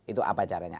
itu apa caranya